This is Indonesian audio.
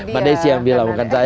mada isi yang bilang bukan saya